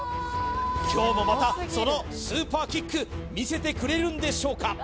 今日もまたそのスーパーキック見せてくれるんでしょうか？